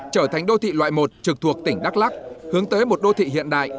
trở thành đô thị loại một trực thuộc tỉnh đắk lắc hướng tới một đô thị hiện đại